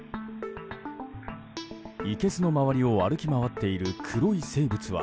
いけすの周りを歩き回っている黒い生物は